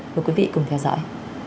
mời quý vị cùng theo dõi